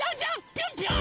ぴょんぴょん！